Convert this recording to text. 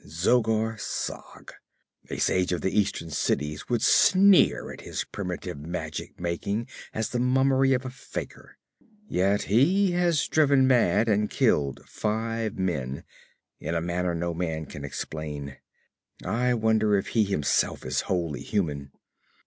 Zogar Sag a sage of the eastern cities would sneer at his primitive magic making as the mummery of a fakir; yet he has driven mad and killed five men in a manner no man can explain. I wonder if he himself is wholly human.'